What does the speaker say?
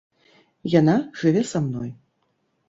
Яна жыве са мной.